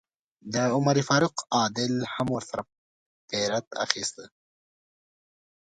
د عمر فاروق عادل هم ورسره پیرډ اخیسته.